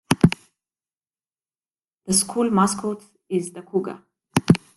The School mascot is the Cougar.